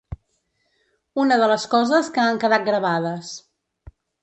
Una de les coses que han quedat gravades